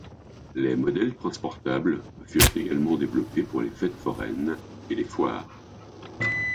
Les modèles transportables furent également développés pour les fêtes foraines et les foire.